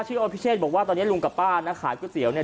ชื่อบอกว่าตอนเนี้ยลุงกับป้าน่ะขายก๋วยเตี๋ยวเนี้ย